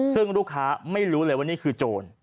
ซึ่งลูกค้าไม่รู้เลยว่านี่คือโจร